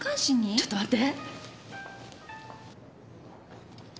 ちょっと待って！